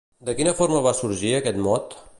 De quina forma va sorgir aquest mot?